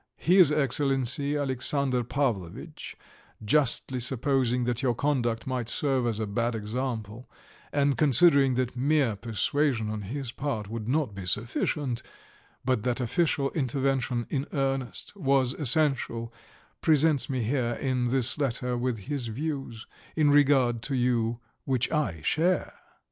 His Excellency Alexandr Pavlovitch, justly supposing that your conduct might serve as a bad example, and considering that mere persuasion on his part would not be sufficient, but that official intervention in earnest was essential, presents me here in this letter with his views in regard to you, which I share."